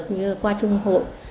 các nguồn lực như qua chung hội